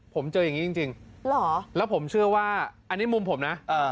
ผมเจออย่างนี้จริงเหรอแล้วผมเชื่อว่าอันนี้มุมผมนะเอ่อ